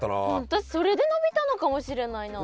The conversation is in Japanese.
私それで伸びたのかもしれないな。